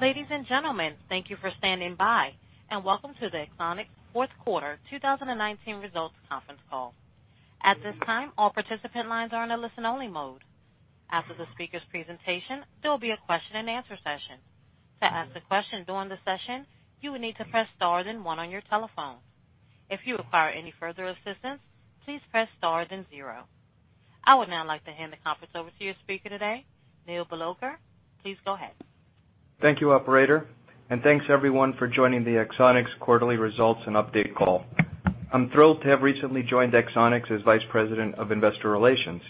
Ladies and gentlemen, thank you for standing by. Welcome to the Axonics fourth quarter 2019 results conference call. At this time, all participant lines are in a listen only mode. After the speaker's presentation, there will be a question-and-answer session. To ask a question during the session, you will need to press star then one on your telephone. If you require any further assistance, please press star then zero. I would now like to hand the conference over to your speaker today, Neil Bhalodkar. Please go ahead. Thank you, operator. Thanks everyone for joining the Axonics quarterly results and update call. I'm thrilled to have recently joined Axonics as Vice President of Investor Relations.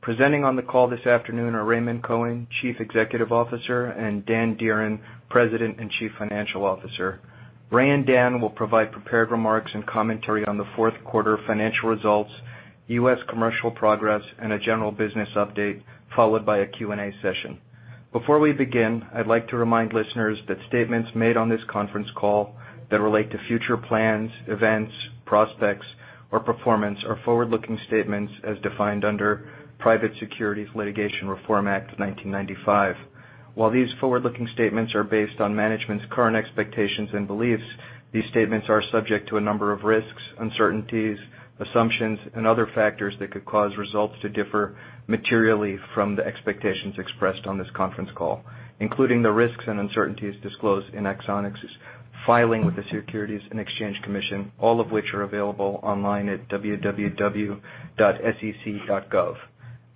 Presenting on the call this afternoon are Raymond Cohen, Chief Executive Officer, and Dan Dearen, President and Chief Financial Officer. Ray and Dan will provide prepared remarks and commentary on the fourth quarter financial results, U.S. commercial progress, and a general business update, followed by a Q&A session. Before we begin, I'd like to remind listeners that statements made on this conference call that relate to future plans, events, prospects, or performance are forward-looking statements as defined under Private Securities Litigation Reform Act of 1995. While these forward-looking statements are based on management's current expectations and beliefs, these statements are subject to a number of risks, uncertainties, assumptions, and other factors that could cause results to differ materially from the expectations expressed on this conference call, including the risks and uncertainties disclosed in Axonics' filing with the Securities and Exchange Commission, all of which are available online at www.sec.gov.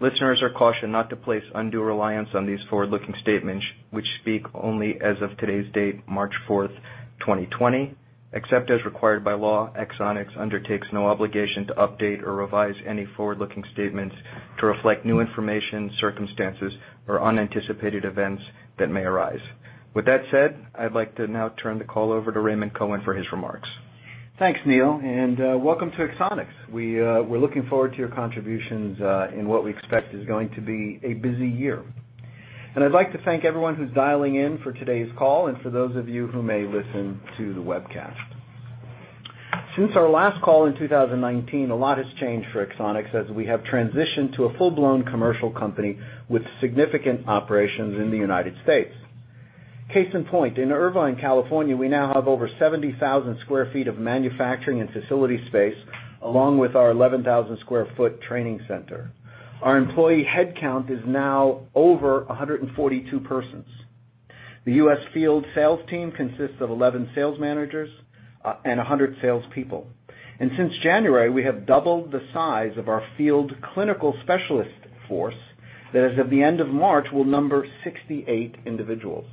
Listeners are cautioned not to place undue reliance on these forward-looking statements, which speak only as of today's date, March 4th, 2020. Except as required by law, Axonics undertakes no obligation to update or revise any forward-looking statements to reflect new information, circumstances, or unanticipated events that may arise. With that said, I'd like to now turn the call over to Raymond Cohen for his remarks. Thanks, Neil, and welcome to Axonics. We're looking forward to your contributions in what we expect is going to be a busy year. I'd like to thank everyone who's dialing in for today's call and for those of you who may listen to the webcast. Since our last call in 2019, a lot has changed for Axonics as we have transitioned to a full-blown commercial company with significant operations in the United States. Case in point, in Irvine, California, we now have over 70,000 square feet of manufacturing and facility space, along with our 11,000 square foot training center. Our employee headcount is now over 142 persons. The U.S. field sales team consists of 11 sales managers, and 100 salespeople. Since January, we have doubled the size of our field clinical specialist force that, as of the end of March, will number 68 individuals.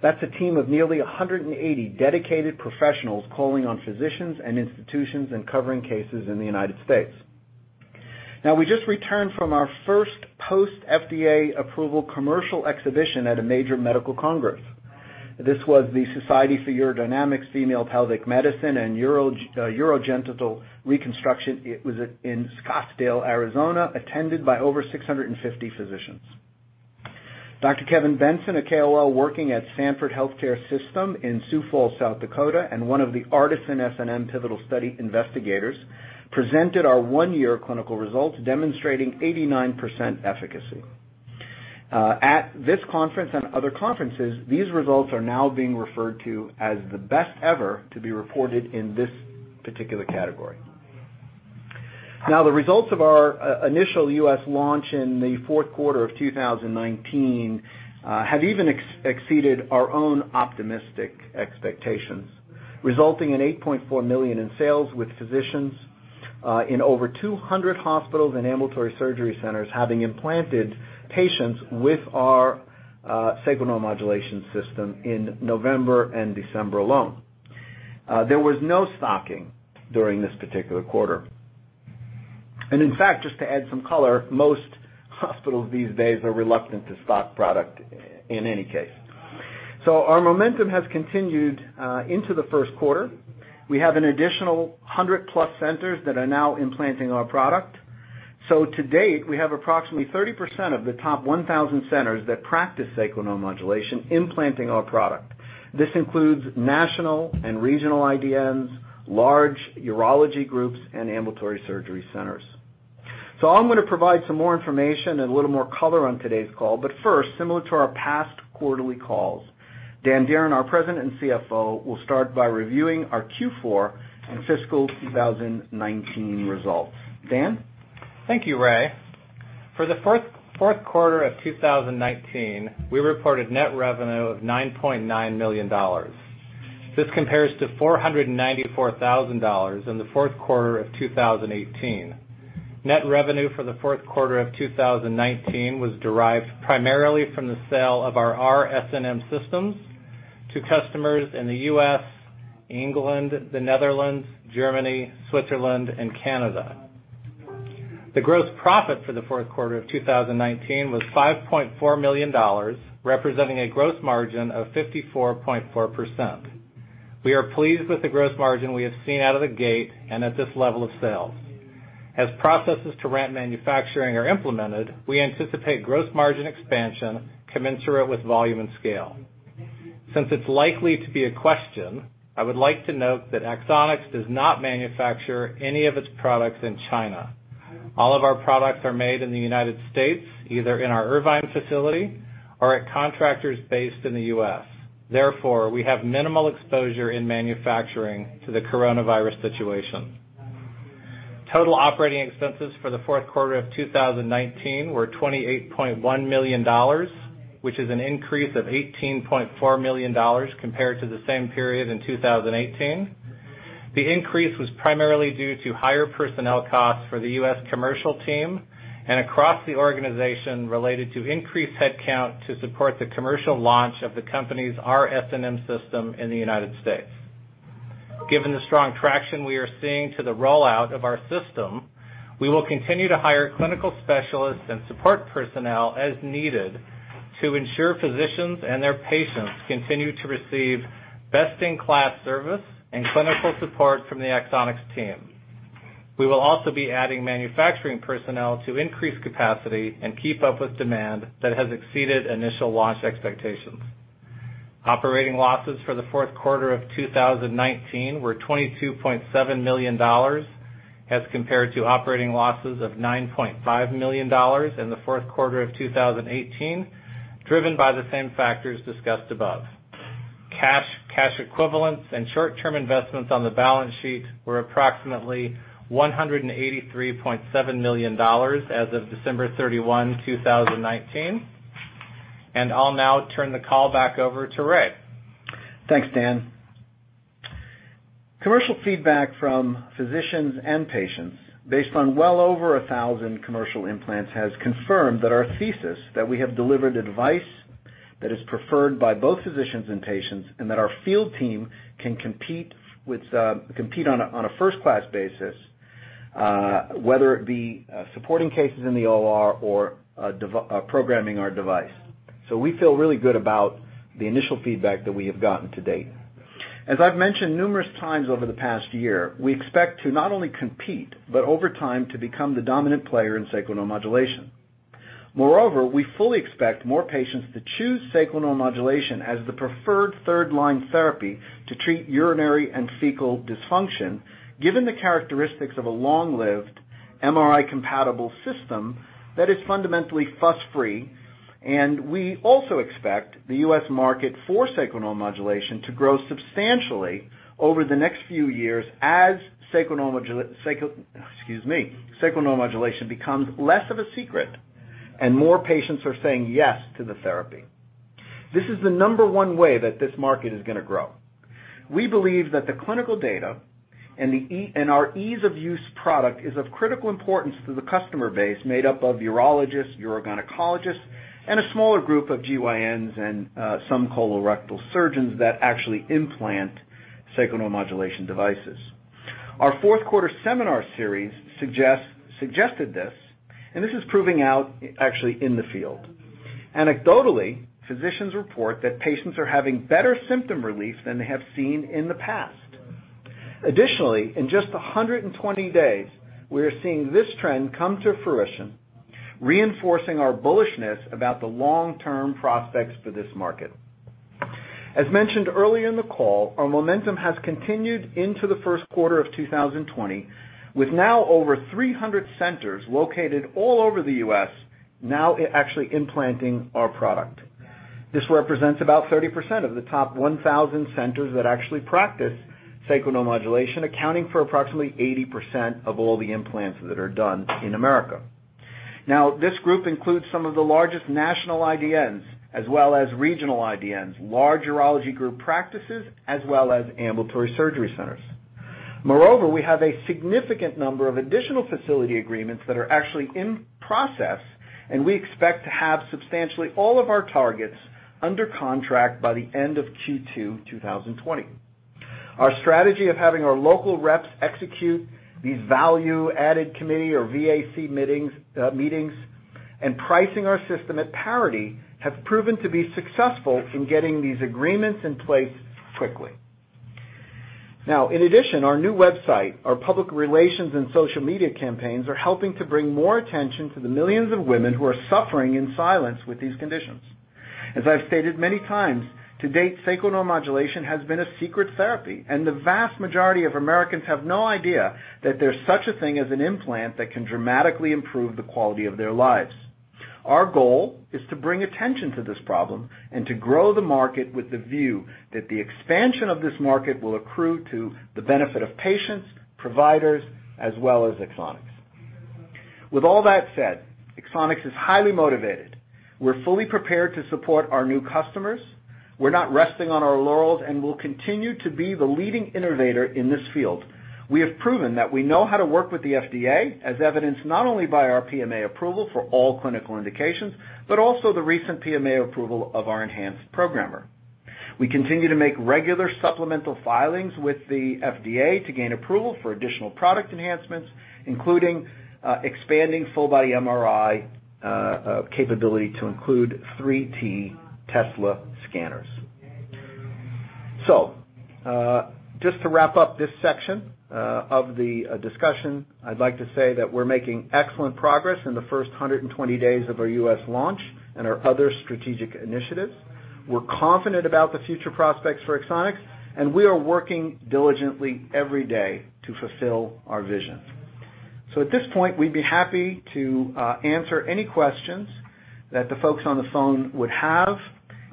That's a team of nearly 180 dedicated professionals calling on physicians and institutions and covering cases in the U.S. We just returned from our first post-FDA approval commercial exhibition at a major medical congress. This was the Society of Urodynamics, Female Pelvic Medicine & Urogenital Reconstruction. It was in Scottsdale, Arizona, attended by over 650 physicians. Dr. Kevin Benson, a KOL working at Sanford Health in Sioux Falls, South Dakota, and one of the ARTISAN-SNM pivotal study investigators, presented our one-year clinical results demonstrating 89% efficacy. At this conference and other conferences, these results are now being referred to as the best ever to be reported in this particular category. The results of our initial U.S. launch in the fourth quarter of 2019 have even exceeded our own optimistic expectations, resulting in $8.4 million in sales with physicians in over 200 hospitals and ambulatory surgery centers having implanted patients with our Sacral Neuromodulation System in November and December alone. There was no stocking during this particular quarter. In fact, just to add some color, most hospitals these days are reluctant to stock product in any case. Our momentum has continued into the first quarter. We have an additional 100+ centers that are now implanting our product. To date, we have approximately 30% of the top 1,000 centers that practice sacral neuromodulation implanting our product. This includes national and regional IDNs, large urology groups, and ambulatory surgery centers. I'm going to provide some more information and a little more color on today's call. First, similar to our past quarterly calls, Dan Dearen, our President and CFO, will start by reviewing our Q4 and fiscal 2019 results. Dan? Thank you, Ray. For the fourth quarter of 2019, we reported net revenue of $9.9 million. This compares to $494,000 in the fourth quarter of 2018. Net revenue for the fourth quarter of 2019 was derived primarily from the sale of our r-SNM systems to customers in the U.S., England, the Netherlands, Germany, Switzerland, and Canada. The gross profit for the fourth quarter of 2019 was $5.4 million, representing a gross margin of 54.4%. We are pleased with the gross margin we have seen out of the gate and at this level of sales. As processes to ramp manufacturing are implemented, we anticipate gross margin expansion commensurate with volume and scale. Since it's likely to be a question, I would like to note that Axonics does not manufacture any of its products in China. All of our products are made in the United States, either in our Irvine facility or at contractors based in the U.S. Therefore, we have minimal exposure in manufacturing to the coronavirus situation. Total operating expenses for the fourth quarter of 2019 were $28.1 million, which is an increase of $18.4 million compared to the same period in 2018. The increase was primarily due to higher personnel costs for the U.S. commercial team and across the organization related to increased headcount to support the commercial launch of the company's r-SNM system in the United States. Given the strong traction we are seeing to the rollout of our system, we will continue to hire clinical specialists and support personnel as needed to ensure physicians and their patients continue to receive best-in-class service and clinical support from the Axonics team. We will also be adding manufacturing personnel to increase capacity and keep up with demand that has exceeded initial launch expectations. Operating losses for the fourth quarter of 2019 were $22.7 million as compared to operating losses of $9.5 million in the fourth quarter of 2018, driven by the same factors discussed above. Cash, cash equivalents, and short-term investments on the balance sheet were approximately $183.7 million as of December 31, 2019. I'll now turn the call back over to Ray. Thanks, Dan. Commercial feedback from physicians and patients based on well over 1,000 commercial implants has confirmed that our thesis that we have delivered a device that is preferred by both physicians and patients, and that our field team can compete on a first-class basis, whether it be supporting cases in the OR or programming our device. We feel really good about the initial feedback that we have gotten to date. As I've mentioned numerous times over the past year, we expect to not only compete, but over time, to become the dominant player in sacral neuromodulation. Moreover, we fully expect more patients to choose sacral neuromodulation as the preferred third-line therapy to treat urinary and fecal dysfunction, given the characteristics of a long-lived MRI-compatible system that is fundamentally fuss-free. We also expect the U.S. market for sacral neuromodulation to grow substantially over the next few years as sacral neuromodulation becomes less of a secret and more patients are saying yes to the therapy. This is the number one way that this market is going to grow. We believe that the clinical data and our ease-of-use product is of critical importance to the customer base made up of urologists, urogynecologists, and a smaller group of GYNs and some colorectal surgeons that actually implant sacral neuromodulation devices. Our fourth-quarter seminar series suggested this, and this is proving out actually in the field. Anecdotally, physicians report that patients are having better symptom relief than they have seen in the past. Additionally, in just 120 days, we are seeing this trend come to fruition, reinforcing our bullishness about the long-term prospects for this market. As mentioned earlier in the call, our momentum has continued into the first quarter of 2020, with now over 300 centers located all over the U.S. now actually implanting our product. This represents about 30% of the top 1,000 centers that actually practice sacral neuromodulation, accounting for approximately 80% of all the implants that are done in America. This group includes some of the largest national IDNs as well as regional IDNs, large urology group practices, as well as ambulatory surgery centers. We have a significant number of additional facility agreements that are actually in process, and we expect to have substantially all of our targets under contract by the end of Q2 2020. Our strategy of having our local reps execute these value-added committee or VAC meetings and pricing our system at parity have proven to be successful in getting these agreements in place quickly. In addition, our new website, our public relations and social media campaigns are helping to bring more attention to the millions of women who are suffering in silence with these conditions. As I've stated many times, to date, sacral neuromodulation has been a secret therapy, and the vast majority of Americans have no idea that there's such a thing as an implant that can dramatically improve the quality of their lives. Our goal is to bring attention to this problem and to grow the market with the view that the expansion of this market will accrue to the benefit of patients, providers, as well as Axonics. All that said, Axonics is highly motivated. We're fully prepared to support our new customers. We're not resting on our laurels, and we'll continue to be the leading innovator in this field. We have proven that we know how to work with the FDA, as evidenced not only by our PMA approval for all clinical indications, but also the recent PMA approval of our enhanced programmer. We continue to make regular supplemental filings with the FDA to gain approval for additional product enhancements, including expanding full-body MRI capability to include 3T Tesla scanners. Just to wrap up this section of the discussion, I'd like to say that we're making excellent progress in the first 120 days of our U.S. launch and our other strategic initiatives. We're confident about the future prospects for Axonics, and we are working diligently every day to fulfill our vision. At this point, we'd be happy to answer any questions that the folks on the phone would have,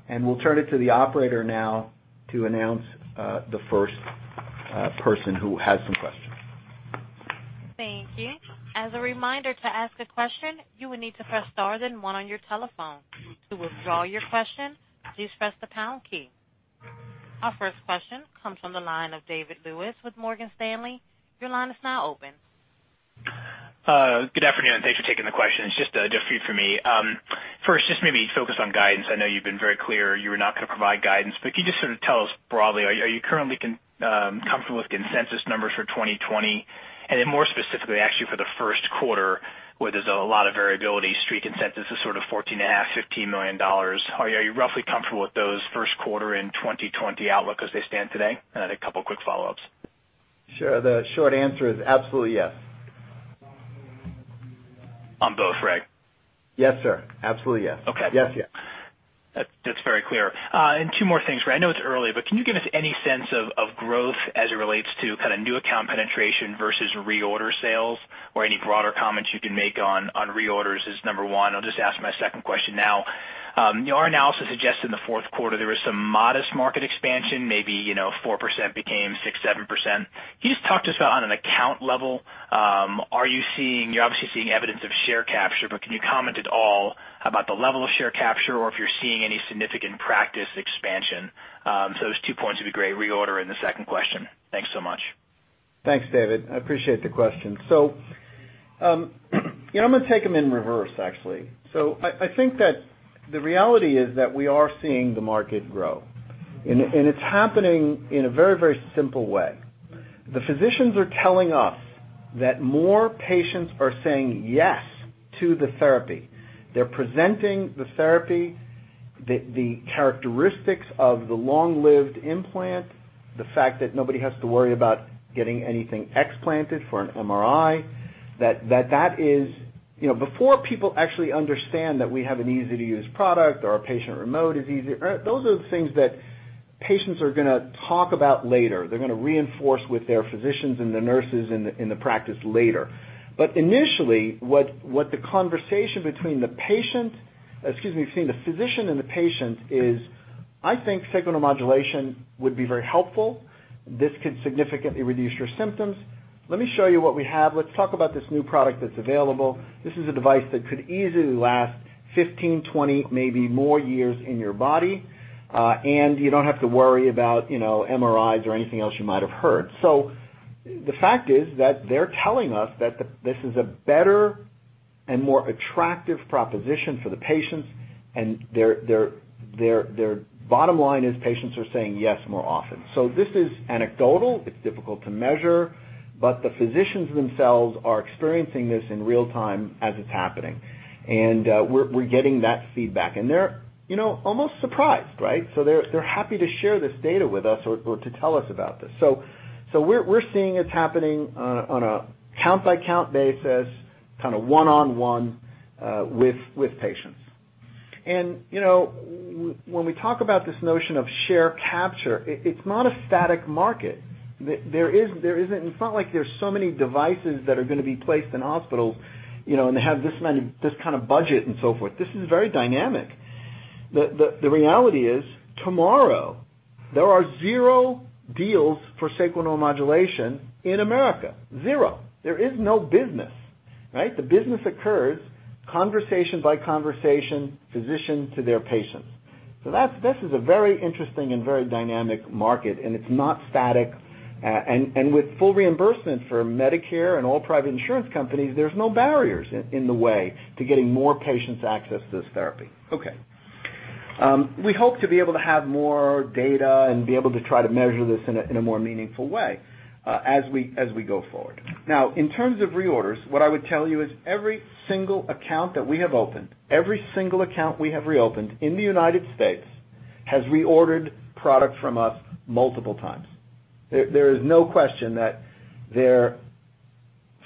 and we'll turn it to the operator now to announce the first person who has some questions. Thank you. As a reminder, to ask a question, you will need to press star, then one on your telephone. To withdraw your question, please press the pound key. Our first question comes from the line of David Lewis with Morgan Stanley. Your line is now open. Good afternoon, thanks for taking the questions. Just a few from me. First, just maybe focus on guidance. I know you've been very clear you were not going to provide guidance, but can you just sort of tell us broadly, are you currently comfortable with consensus numbers for 2020? More specifically, actually for the first quarter, where there's a lot of variability, street consensus is sort of $14.5 million-$15 million. Are you roughly comfortable with those first quarter and 2020 outlook as they stand today? A couple of quick follow-ups. Sure. The short answer is absolutely yes. On both, right? Yes, sir. Absolutely yes. Okay. Yes. Yes. That's very clear. Two more things. I know it's early, but can you give us any sense of growth as it relates to kind of new account penetration versus reorder sales? Any broader comments you can make on reorders is number one. I'll just ask my second question now. Your analysis suggests in the fourth quarter there was some modest market expansion, maybe 4% became 6%, 7%. Can you just talk to us about on an account level, you're obviously seeing evidence of share capture, but can you comment at all about the level of share capture or if you're seeing any significant practice expansion? Those two points would be great, reorder and the second question. Thanks so much. Thanks, David. I appreciate the question. I'm going to take them in reverse, actually. I think that the reality is that we are seeing the market grow, and it's happening in a very simple way. The physicians are telling us that more patients are saying yes to the therapy. They're presenting the therapy, the characteristics of the long-lived implant, the fact that nobody has to worry about getting anything explanted for an MRI. Before people actually understand that we have an easy-to-use product or our patient remote is easy, those are the things that patients are going to talk about later. They're going to reinforce with their physicians and the nurses in the practice later. Initially, what the conversation between the physician and the patient is, I think sacral neuromodulation would be very helpful. This could significantly reduce your symptoms. Let me show you what we have. Let's talk about this new product that's available. This is a device that could easily last 15, 20, maybe more years in your body. You don't have to worry about MRIs or anything else you might have heard. The fact is that they're telling us that this is a better and more attractive proposition for the patients, and their bottom line is patients are saying yes more often. This is anecdotal. It's difficult to measure. The physicians themselves are experiencing this in real time as it's happening. We're getting that feedback. They're almost surprised, right? They're happy to share this data with us or to tell us about this. We're seeing it's happening on a count-by-count basis, kind of one-on-one with patients. When we talk about this notion of share capture, it's not a static market. It's not like there's so many devices that are going to be placed in hospitals, and they have this kind of budget and so forth. This is very dynamic. The reality is tomorrow, there are zero deals for sacral neuromodulation in America. Zero. There is no business, right? The business occurs conversation by conversation, physician to their patients. This is a very interesting and very dynamic market, and it's not static. With full reimbursement for Medicare and all private insurance companies, there's no barriers in the way to getting more patients access to this therapy. Okay. We hope to be able to have more data and be able to try to measure this in a more meaningful way as we go forward. In terms of reorders, what I would tell you is every single account that we have opened, every single account we have reopened in the United States has reordered product from us multiple times. There is no question that they're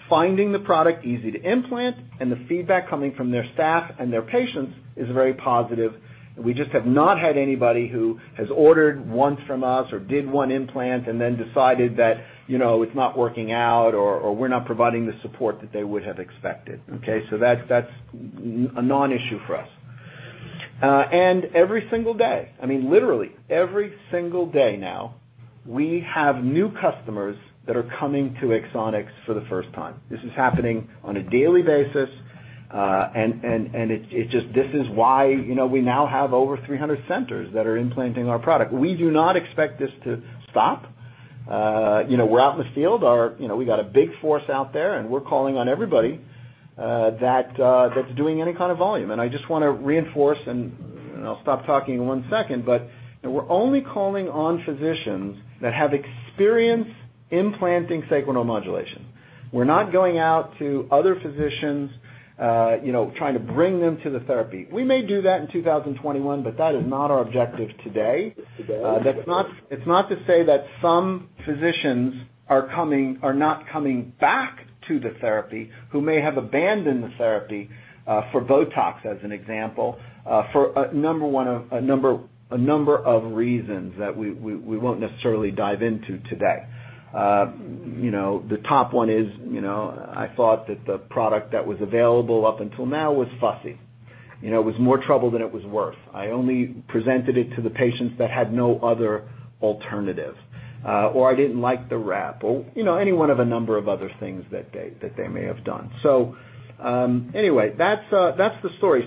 finding the product easy to implant and the feedback coming from their staff and their patients is very positive. We just have not had anybody who has ordered once from us or did one implant and then decided that it's not working out or we're not providing the support that they would have expected. Okay. That's a non-issue for us. Every single day, I mean, literally every single day now, we have new customers that are coming to Axonics for the first time. This is happening on a daily basis, and this is why we now have over 300 centers that are implanting our product. We do not expect this to stop. We're out in the field. We got a big force out there. We're calling on everybody that's doing any kind of volume. I just want to reinforce, and I'll stop talking in one second, but we're only calling on physicians that have experience implanting sacral neuromodulation. We're not going out to other physicians trying to bring them to the therapy. We may do that in 2021, but that is not our objective today. It's not to say that some physicians are not coming back to the therapy who may have abandoned the therapy for Botox, as an example, for a number of reasons that we won't necessarily dive into today. The top one is, I thought that the product that was available up until now was fussy. It was more trouble than it was worth. I only presented it to the patients that had no other alternative, or I didn't like the wrap, or any one of a number of other things that they may have done. Anyway, that's the story.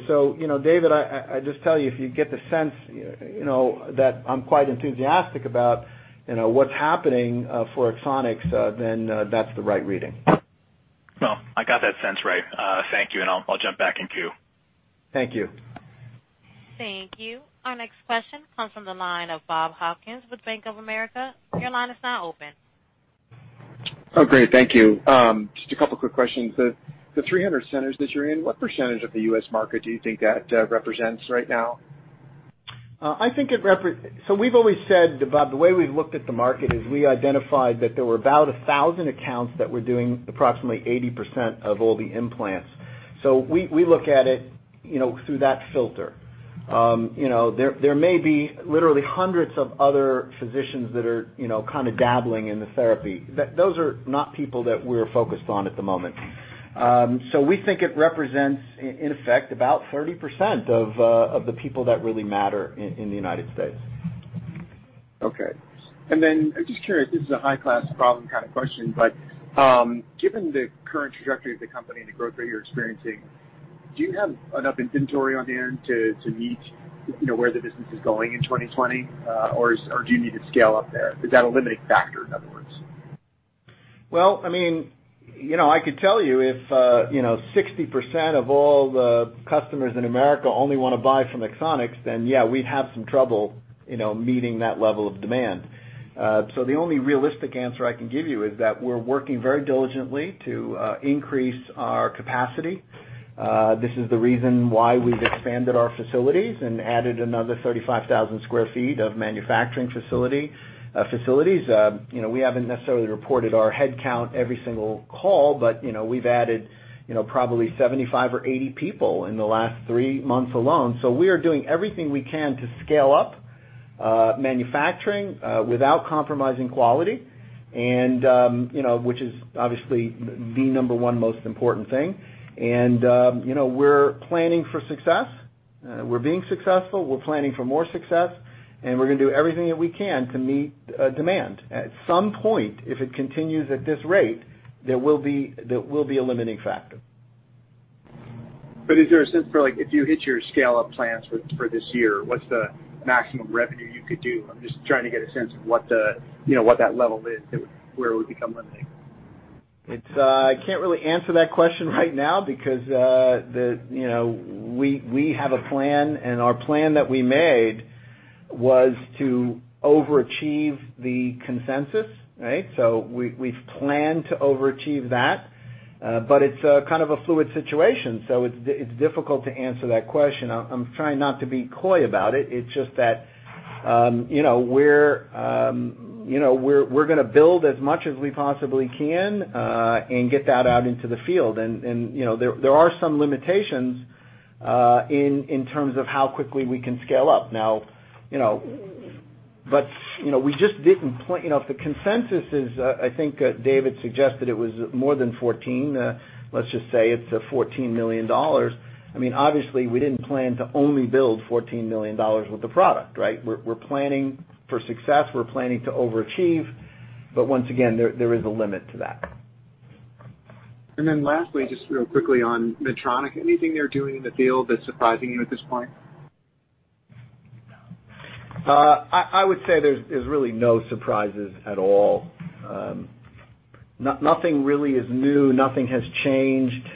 David, I just tell you, if you get the sense that I'm quite enthusiastic about what's happening for Axonics, then that's the right reading. Well, I got that sense, Ray. Thank you, and I'll jump back in queue. Thank you. Thank you. Our next question comes from the line of Bob Hopkins with Bank of America. Your line is now open. Oh, great. Thank you. Just a couple quick questions. The 300 centers that you're in, what percentage of the U.S. market do you think that represents right now? We've always said, Bob, the way we've looked at the market is we identified that there were about 1,000 accounts that were doing approximately 80% of all the implants. We look at it through that filter. There may be literally hundreds of other physicians that are dabbling in the therapy. Those are not people that we're focused on at the moment. We think it represents, in effect, about 30% of the people that really matter in the United States. Okay. I'm just curious, this is a high-class problem kind of question, but given the current trajectory of the company and the growth that you're experiencing, do you have enough inventory on hand to meet where the business is going in 2020? Do you need to scale up there? Is that a limiting factor, in other words? Well, I could tell you if 60% of all the customers in America only want to buy from Axonics, yeah, we'd have some trouble meeting that level of demand. The only realistic answer I can give you is that we're working very diligently to increase our capacity. This is the reason why we've expanded our facilities and added another 35,000 square feet of manufacturing facilities. We haven't necessarily reported our headcount every single call, but we've added probably 75 or 80 people in the last three months alone. We are doing everything we can to scale up manufacturing without compromising quality, which is obviously the number one most important thing. We're planning for success. We're being successful. We're planning for more success, we're going to do everything that we can to meet demand. At some point, if it continues at this rate, there will be a limiting factor. Is there a sense for like, if you hit your scale-up plans for this year, what's the maximum revenue you could do? I'm just trying to get a sense of what that level is, where it would become limiting. I can't really answer that question right now because we have a plan, and our plan that we made was to overachieve the consensus. Right? We've planned to overachieve that. It's kind of a fluid situation, so it's difficult to answer that question. I'm trying not to be coy about it. It's just that we're going to build as much as we possibly can and get that out into the field. There are some limitations in terms of how quickly we can scale up. If the consensus is, I think David suggested it was more than 14, let's just say it's $14 million. Obviously, we didn't plan to only build $14 million with the product, right? We're planning for success. We're planning to overachieve. Once again, there is a limit to that. Lastly, just real quickly on Medtronic. Anything they're doing in the field that's surprising you at this point? I would say there's really no surprises at all. Nothing really is new. Nothing has changed.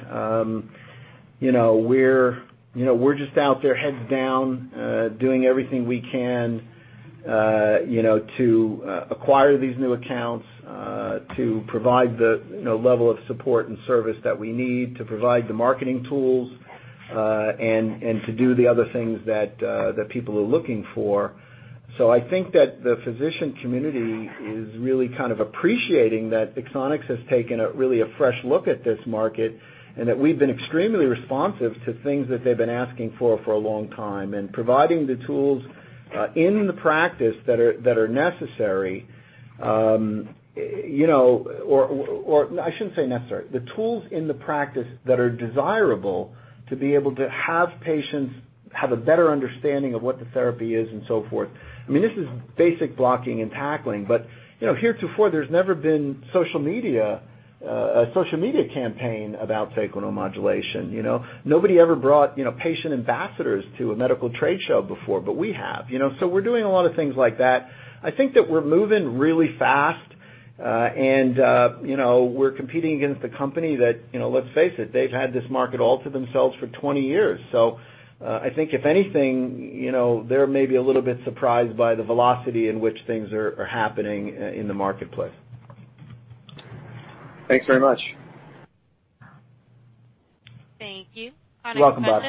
We're just out there, heads down, doing everything we can to acquire these new accounts, to provide the level of support and service that we need to provide the marketing tools, and to do the other things that people are looking for. I think that the physician community is really kind of appreciating that Axonics has taken really a fresh look at this market, and that we've been extremely responsive to things that they've been asking for a long time, and providing the tools in the practice that are necessary, I shouldn't say necessary, the tools in the practice that are desirable to be able to have patients have a better understanding of what the therapy is and so forth. This is basic blocking and tackling, but heretofore, there's never been a social media campaign about sacral neuromodulation. Nobody ever brought patient ambassadors to a medical trade show before, but we have. We're doing a lot of things like that. I think that we're moving really fast, and we're competing against a company that, let's face it, they've had this market all to themselves for 20 years. I think if anything, they may be a little bit surprised by the velocity in which things are happening in the marketplace. Thanks very much. Thank you. You're welcome, Bob.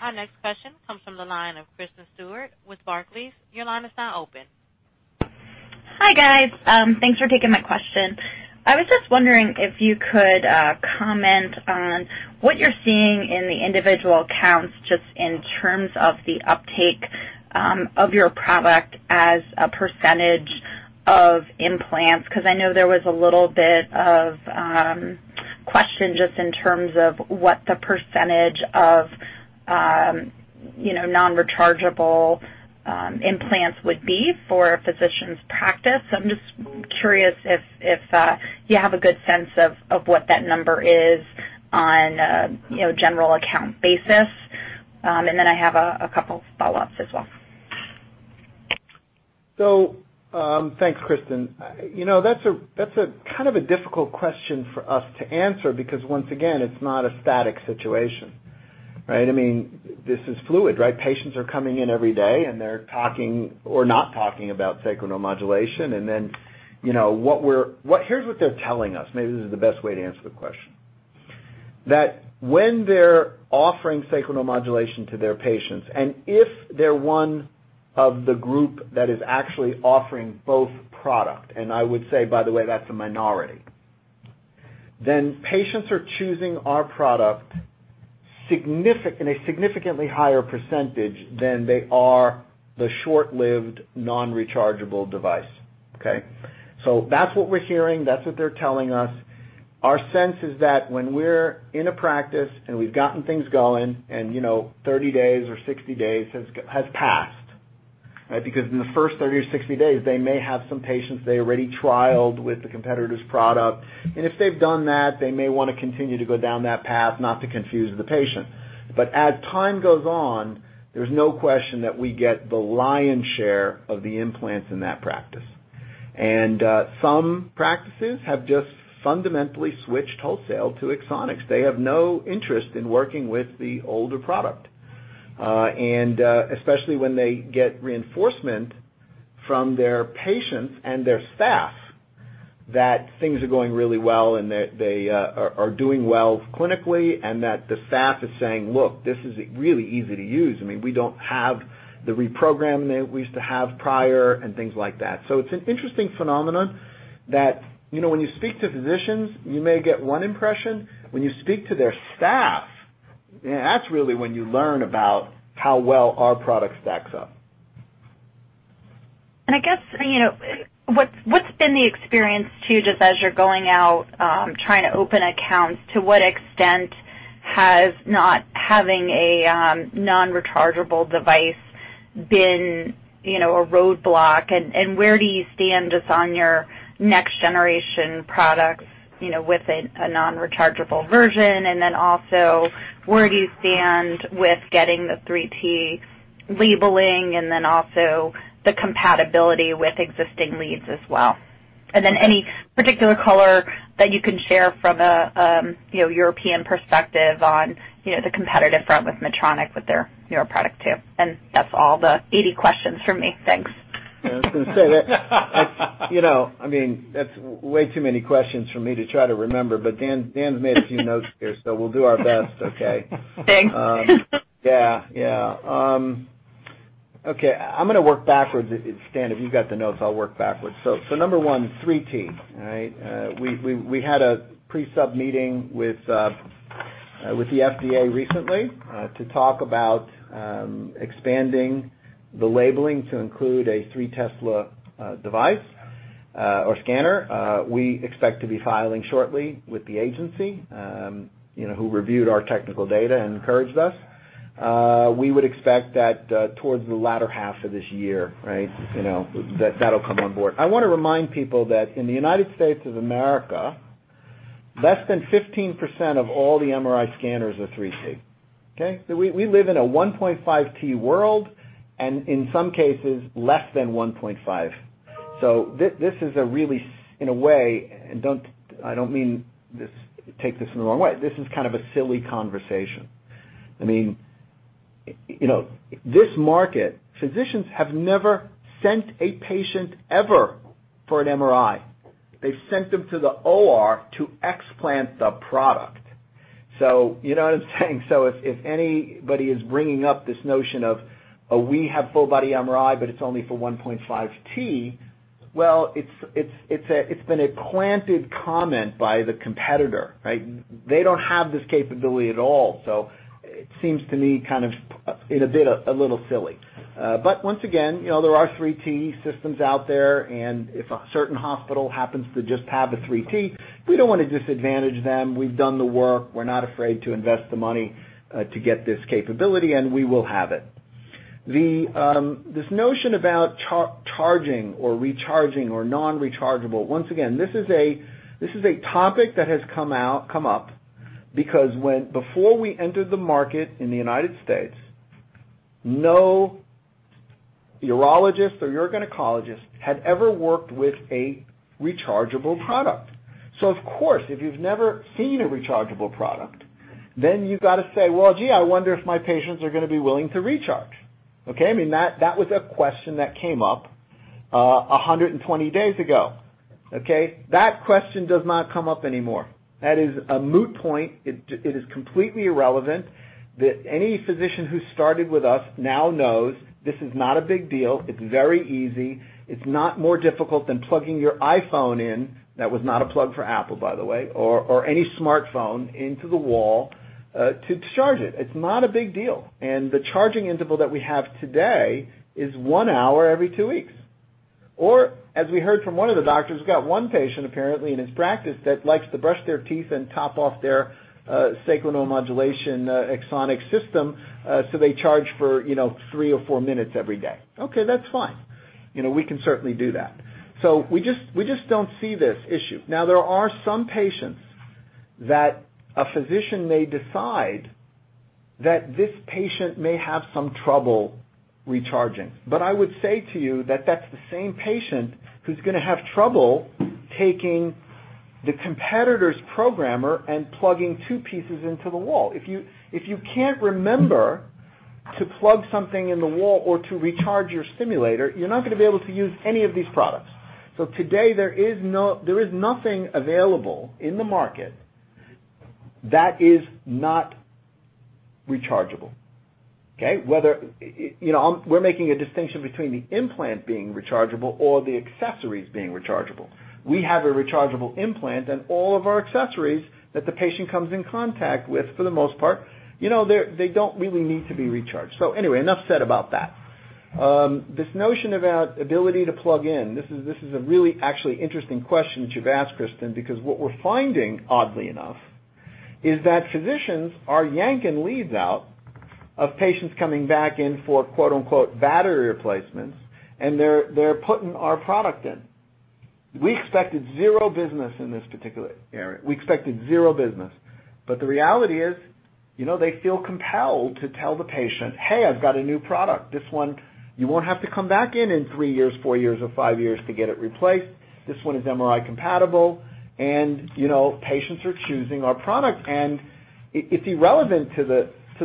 Our next question comes from the line of Kristen Stewart with Barclays. Your line is now open. Hi, guys. Thanks for taking my question. I was just wondering if you could comment on what you're seeing in the individual accounts, just in terms of the uptake of your product as a percentage of implants, because I know there was a little bit of question just in terms of what the percentage of non-rechargeable implants would be for a physician's practice. I'm just curious if you have a good sense of what that number is on a general account basis. I have a couple follow-ups as well. Thanks, Kristen. That's kind of a difficult question for us to answer because, once again, it's not a static situation, right? This is fluid, right? Patients are coming in every day, and they're talking or not talking about sacral neuromodulation. Here's what they're telling us, maybe this is the best way to answer the question. That when they're offering sacral neuromodulation to their patients, and if they're one of the group that is actually offering both product, and I would say, by the way, that's a minority, then patients are choosing our product in a significantly higher percentage than they are the short-lived, non-rechargeable device. Okay? That's what we're hearing. That's what they're telling us. Our sense is that when we're in a practice and we've gotten things going and 30 days or 60 days has passed, right? Because in the first 30 or 60 days, they may have some patients they already trialed with the competitor's product. If they've done that, they may want to continue to go down that path, not to confuse the patient. As time goes on, there's no question that we get the lion's share of the implants in that practice. Some practices have just fundamentally switched wholesale to Axonics. They have no interest in working with the older product. Especially when they get reinforcement from their patients and their staff that things are going really well and that they are doing well clinically and that the staff is saying, "Look, this is really easy to use. We don't have the reprogramming that we used to have prior," and things like that. It's an interesting phenomenon that when you speak to physicians, you may get one impression. When you speak to their staff, that's really when you learn about how well our product stacks up. I guess, what's been the experience too, just as you're going out, trying to open accounts? To what extent has not having a non-rechargeable device been a roadblock? Where do you stand just on your next generation products with a non-rechargeable version? Where do you stand with getting the 3T labeling and then also the compatibility with existing leads as well? Any particular color that you can share from a European perspective on the competitive front with Medtronic, with their newer product too. That's all the 80 questions from me. Thanks. I was going to say that's way too many questions for me to try to remember, but Dan's made a few notes here, so we'll do our best, okay? Thanks. Okay, I'm going to work backwards. Dan, if you got the notes, I'll work backwards. Number one, 3T, right? We had a Pre-Submission meeting with the FDA recently, to talk about expanding the labeling to include a 3 Tesla device or scanner. We expect to be filing shortly with the agency, who reviewed our technical data and encouraged us. We would expect that towards the latter half of this year, right, that that'll come on board. I want to remind people that in the United States of America, less than 15% of all the MRI scanners are 3T, okay? We live in a 1.5T world, and in some cases, less than 1.5. This is a really, in a way, and I don't mean take this in the wrong way, this is kind of a silly conversation. This market, physicians have never sent a patient ever for an MRI. They've sent them to the OR to explant the product. You know what I'm saying? If anybody is bringing up this notion of, "Oh, we have full body MRI, but it's only for 1.5T," well, it's been a planted comment by the competitor, right? They don't have this capability at all. It seems to me kind of a little silly. Once again, there are 3T systems out there, and if a certain hospital happens to just have a 3T, we don't want to disadvantage them. We've done the work. We're not afraid to invest the money to get this capability, and we will have it. This notion about charging or recharging or non-rechargeable, once again, this is a topic that has come up because before we entered the market in the U.S., no urologist or urogynecologist had ever worked with a rechargeable product. Of course, if you've never seen a rechargeable product, then you've got to say, "Well, gee, I wonder if my patients are going to be willing to recharge." Okay. That was a question that came up 120 days ago. Okay. That question does not come up anymore. That is a moot point. It is completely irrelevant that any physician who started with us now knows this is not a big deal. It's very easy. It's not more difficult than plugging your iPhone in, that was not a plug for Apple, by the way, or any smartphone into the wall to charge it. It's not a big deal. The charging interval that we have today is one hour every two weeks. As we heard from one of the doctors, he's got one patient apparently in his practice that likes to brush their teeth and top off their sacral neuromodulation Axonics system, so they charge for three or four minutes every day. Okay, that's fine. We can certainly do that. We just don't see this issue. Now, there are some patients that a physician may decide that this patient may have some trouble recharging. I would say to you that that's the same patient who's going to have trouble taking the competitor's programmer and plugging two pieces into the wall. If you can't remember to plug something in the wall or to recharge your simulator, you're not going to be able to use any of these products. Today, there is nothing available in the market that is not rechargeable, okay? We're making a distinction between the implant being rechargeable or the accessories being rechargeable. We have a rechargeable implant and all of our accessories that the patient comes in contact with, for the most part, they don't really need to be recharged. Anyway, enough said about that. This notion about ability to plug in, this is a really, actually, interesting question that you've asked, Kristen, because what we're finding, oddly enough, is that physicians are yanking leads out of patients coming back in for "battery replacements," and they're putting our product in. We expected zero business in this particular area. We expected zero business. The reality is, they feel compelled to tell the patient, "Hey, I've got a new product. This one, you won't have to come back in three years, four years, or five years to get it replaced. This one is MRI compatible." Patients are choosing our product. It's irrelevant to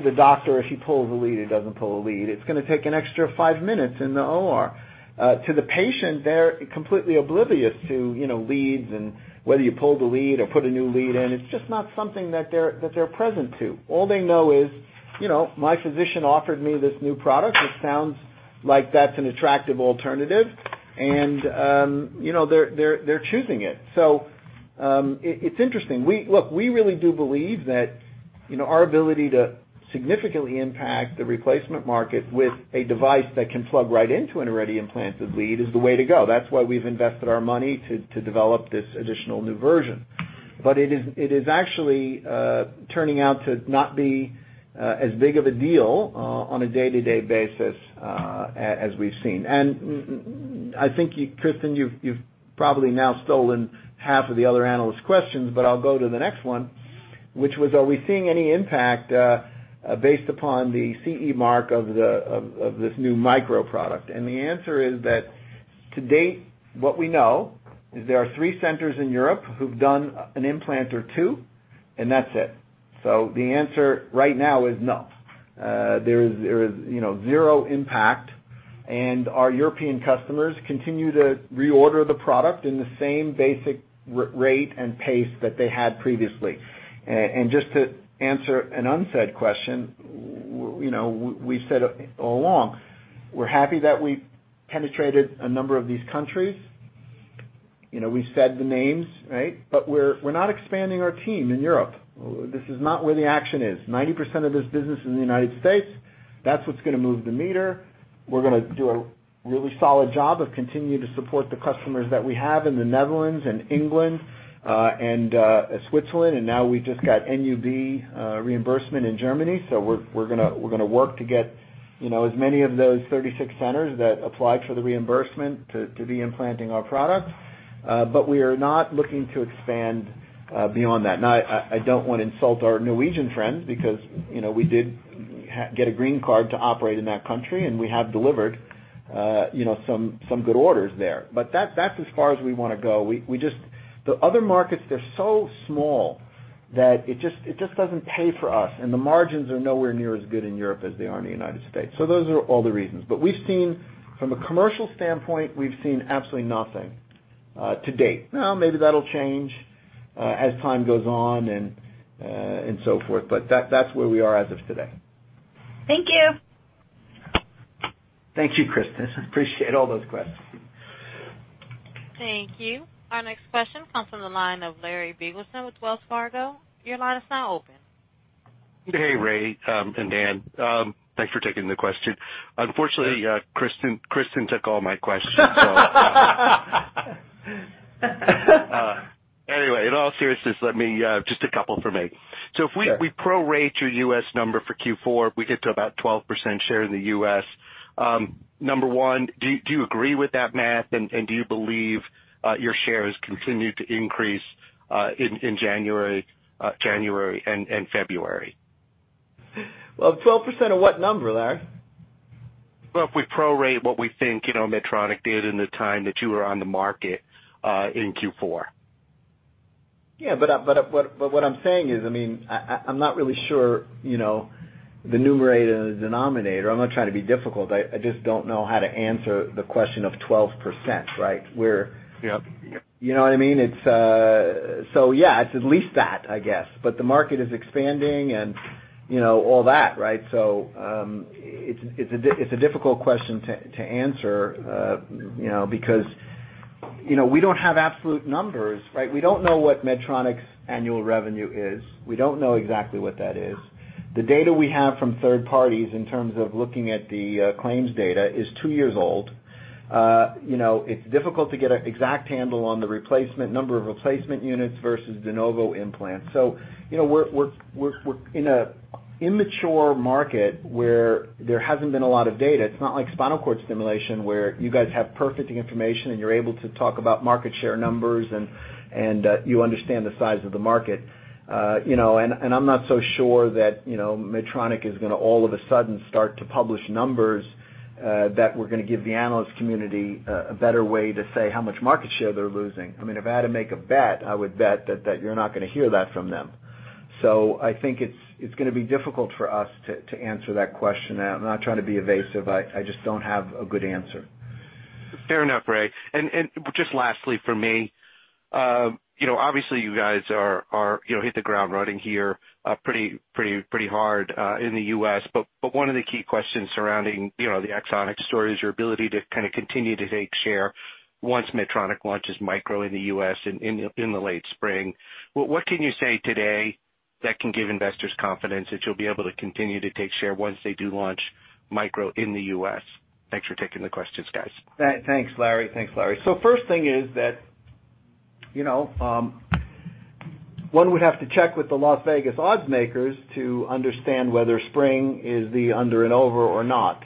the doctor if he pulls a lead or doesn't pull a lead. It's going to take an extra five minutes in the OR. To the patient, they're completely oblivious to leads and whether you pull the lead or put a new lead in. It's just not something that they're present to. All they know is, "My physician offered me this new product. It sounds like that's an attractive alternative." They're choosing it. It's interesting. Look, we really do believe that our ability to significantly impact the replacement market with a device that can plug right into an already implanted lead is the way to go. That's why we've invested our money to develop this additional new version. It is actually turning out to not be as big of a deal on a day-to-day basis as we've seen. I think, Kristen, you've probably now stolen half of the other analysts' questions, but I'll go to the next one, which was, are we seeing any impact based upon the CE mark of this new Micro product? The answer is that to date, what we know is there are three centers in Europe who've done an implant or two, and that's it. The answer right now is no. There is zero impact, and our European customers continue to reorder the product in the same basic rate and pace that they had previously. Just to answer an unsaid question, we've said all along, we're happy that we penetrated a number of these countries. We said the names, right? We're not expanding our team in Europe. This is not where the action is. 90% of this business is in the U.S. That's what's going to move the meter. We're going to do a really solid job of continuing to support the customers that we have in the Netherlands and England, and Switzerland, and now we just got NUB reimbursement in Germany, so we're going to work to get as many of those 36 centers that applied for the reimbursement to be implanting our products. We are not looking to expand beyond that. Now, I don't want to insult our Norwegian friends because we did get a green card to operate in that country, and we have delivered some good orders there. That's as far as we want to go. The other markets, they're so small that it just doesn't pay for us, and the margins are nowhere near as good in Europe as they are in the United States. Those are all the reasons. From a commercial standpoint, we've seen absolutely nothing to date. Maybe that'll change as time goes on and so forth, but that's where we are as of today. Thank you. Thank you, Kristen. Appreciate all those questions. Thank you. Our next question comes from the line of Larry Biegelsen with Wells Fargo. Your line is now open. Hey, Ray and Dan. Thanks for taking the question. Unfortunately, Kristen took all my questions. Anyway, in all seriousness, just a couple from me. Sure. If we pro rate your U.S. number for Q4, we get to about 12% share in the U.S. Number one, do you agree with that math? Do you believe your share has continued to increase in January and February? Well, 12% of what number, Larry? Well, if we pro rate what we think Medtronic did in the time that you were on the market, in Q4. Yeah. What I'm saying is, I'm not really sure the numerator and the denominator. I'm not trying to be difficult, I just don't know how to answer the question of 12%, right? Yep You know what I mean? Yeah, it's at least that, I guess. The market is expanding and all that, right? It's a difficult question to answer because we don't have absolute numbers, right? We don't know what Medtronic's annual revenue is. We don't know exactly what that is. The data we have from third parties in terms of looking at the claims data is two years old. It's difficult to get an exact handle on the number of replacement units versus de novo implants. We're in an immature market where there hasn't been a lot of data. It's not like spinal cord stimulation, where you guys have perfect information, and you're able to talk about market share numbers, and you understand the size of the market. I'm not so sure that Medtronic is going to all of a sudden start to publish numbers that we're going to give the analyst community a better way to say how much market share they're losing. If I had to make a bet, I would bet that you're not going to hear that from them. I think it's going to be difficult for us to answer that question. I'm not trying to be evasive. I just don't have a good answer. Fair enough, Ray. Just lastly from me, obviously, you guys hit the ground running here pretty hard in the U.S. One of the key questions surrounding the Axonics story is your ability to kind of continue to take share once Medtronic launches Micro in the U.S. in the late spring. What can you say today that can give investors confidence that you'll be able to continue to take share once they do launch Micro in the U.S.? Thanks for taking the questions, guys. Thanks, Larry. First thing is that one would have to check with the Las Vegas odds makers to understand whether spring is the under and over or not.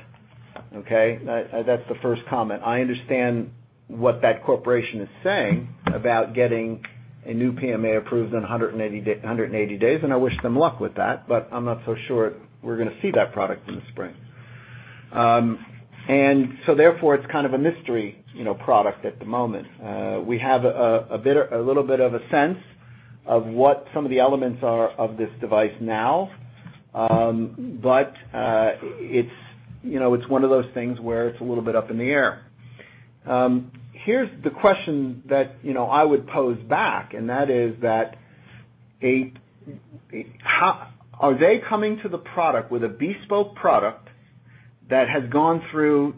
Okay. That's the first comment. I understand what that corporation is saying about getting a new PMA approved in 180 days, and I wish them luck with that, but I'm not so sure we're going to see that product in the spring. Therefore, it's kind of a mystery product at the moment. We have a little bit of a sense of what some of the elements are of this device now, but it's one of those things where it's a little bit up in the air. Here's the question that I would pose back, and that is that are they coming to the product with a bespoke product that has gone through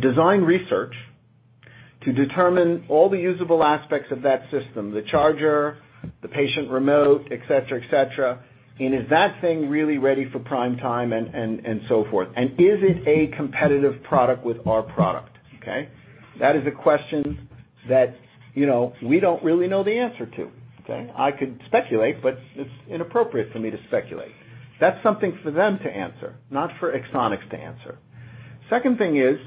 design research to determine all the usable aspects of that system, the charger, the patient remote, et cetera. Is that thing really ready for prime time and so forth? Is it a competitive product with our product, okay? That is a question that we don't really know the answer to, okay? I could speculate, but it's inappropriate for me to speculate. That's something for them to answer, not for Axonics to answer. Second thing is,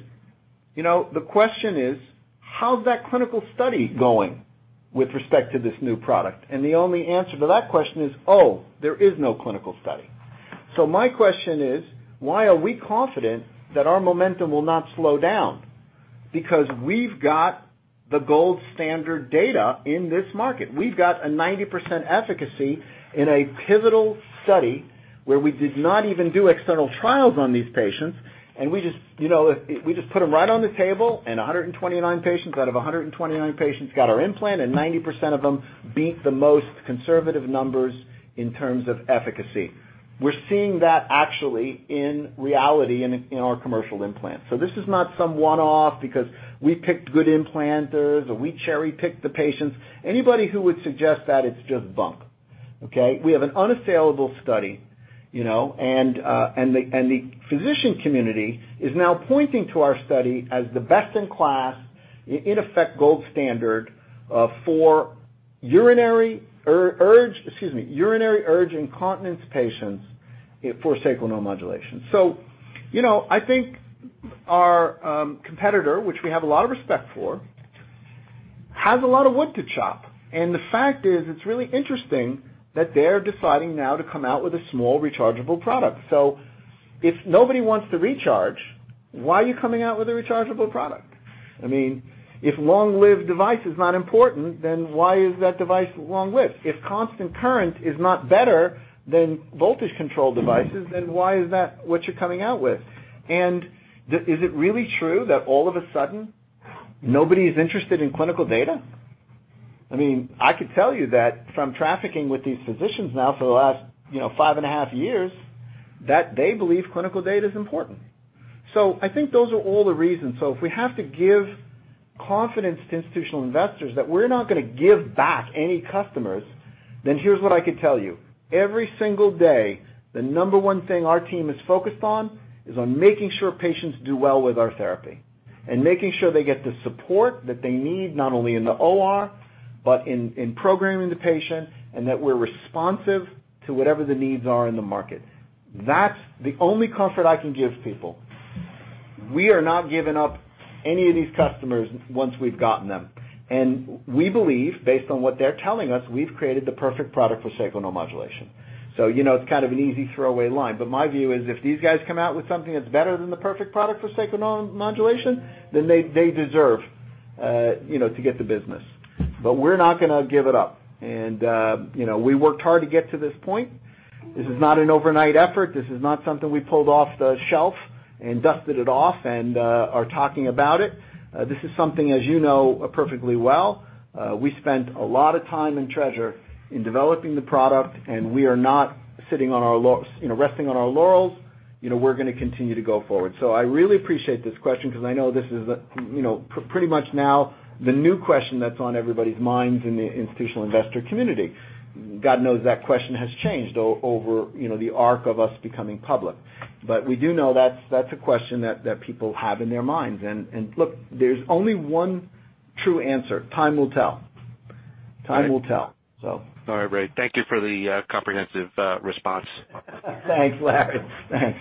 the question is, how's that clinical study going with respect to this new product? The only answer to that question is, oh, there is no clinical study. My question is, why are we confident that our momentum will not slow down? We've got the gold standard data in this market. We've got a 90% efficacy in a pivotal study where we did not even do external trials on these patients. We just put them right on the table, out of 129 patients, got our implant, 90% of them beat the most conservative numbers in terms of efficacy. We're seeing that actually in reality in our commercial implants. This is not some one-off because we picked good implanters or we cherry-picked the patients. Anybody who would suggest that, it's just bunk, okay? We have an unassailable study. The physician community is now pointing to our study as the best in class, in effect, gold standard for urinary urge incontinence patients for sacral neuromodulation. I think our competitor, which we have a lot of respect for, has a lot of wood to chop. The fact is, it's really interesting that they're deciding now to come out with a small rechargeable product. If nobody wants to recharge, why are you coming out with a rechargeable product? If long-lived device is not important, why is that device long-lived? If constant current is not better than voltage control devices, why is that what you're coming out with? Is it really true that all of a sudden nobody is interested in clinical data? I could tell you that from trafficking with these physicians now for the last five and a half years, that they believe clinical data is important. I think those are all the reasons. If we have to give confidence to institutional investors that we're not going to give back any customers, here's what I could tell you. Every single day, the number one thing our team is focused on is on making sure patients do well with our therapy and making sure they get the support that they need, not only in the OR, but in programming the patient and that we're responsive to whatever the needs are in the market. That's the only comfort I can give people. We are not giving up any of these customers once we've gotten them. We believe, based on what they're telling us, we've created the perfect product for sacral neuromodulation. It's kind of an easy throwaway line, but my view is if these guys come out with something that's better than the perfect product for sacral neuromodulation, then they deserve to get the business. We're not going to give it up. We worked hard to get to this point. This is not an overnight effort. This is not something we pulled off the shelf and dusted it off and are talking about it. This is something, as you know perfectly well. We spent a lot of time and treasure in developing the product, and we are not resting on our laurels. We're going to continue to go forward. I really appreciate this question because I know this is pretty much now the new question that's on everybody's minds in the institutional investor community. God knows that question has changed over the arc of us becoming public. We do know that's a question that people have in their minds. Look, there's only one true answer. Time will tell. All right. Time will tell. All right, Ray. Thank you for the comprehensive response. Thanks, Larry. Thanks.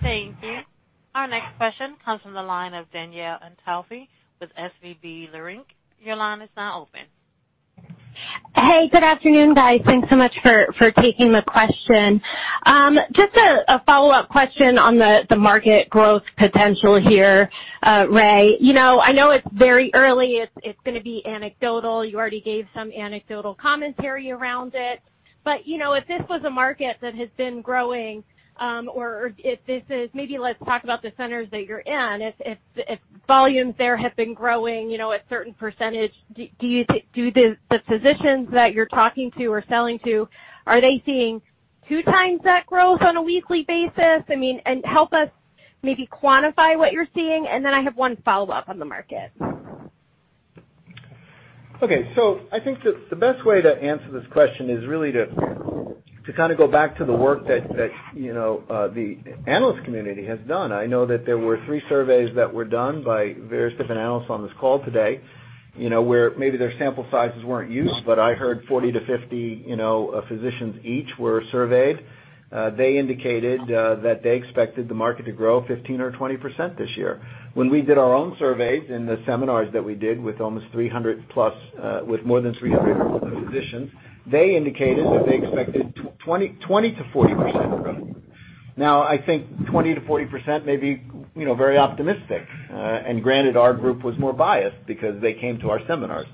Thank you. Our next question comes from the line of Danielle Antalffy with SVB Leerink. Your line is now open. Hey, good afternoon, guys. Thanks so much for taking the question. Just a follow-up question on the market growth potential here, Ray. I know it's very early. It's going to be anecdotal. You already gave some anecdotal commentary around it. If this was a market that has been growing, maybe let's talk about the centers that you're in. If volumes there have been growing a certain percentage, do the physicians that you're talking to or selling to, are they seeing two times that growth on a weekly basis? Help us maybe quantify what you're seeing. I have one follow-up on the market. Okay. I think that the best way to answer this question is really to go back to the work that the analyst community has done. I know that there were three surveys that were done by various different analysts on this call today, where maybe their sample sizes weren't huge, but I heard 40 to 50 physicians each were surveyed. They indicated that they expected the market to grow 15% or 20% this year. When we did our own surveys in the seminars that we did with more than 300 physicians, they indicated that they expected 20%-40% growth. I think 20%-40% may be very optimistic. Granted, our group was more biased because they came to our seminars.